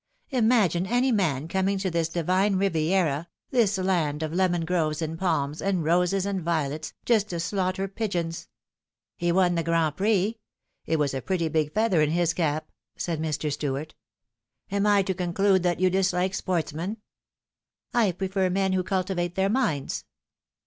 Imagine any man coming to this divine Riviera, this land of lemon groves and palms, and roses and violets, just to slaughter pigeons !"" He won the Grand Prix. It was a pretty big feather in his cap," said Mr. Stuart. " Am I to conclude that you dislike sportsmen ?"" I prefer men who cultivate their minds."